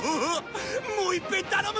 もういっぺん頼む。